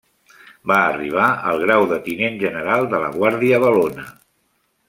Va arribar al grau de tinent general de la Guàrdia Valona.